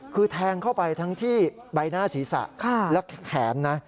คือแทงเข้าไปทั้งที่ใบหน้าศีรษะและแขนนะ